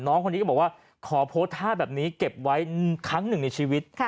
น้องคนนี้ก็บอกว่าขอโพสต์ท่าแบบนี้เก็บไว้ครั้งหนึ่งในชีวิต